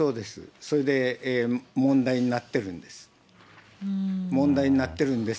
それで問題になってるんです。